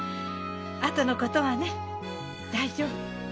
あとのことはね大丈夫。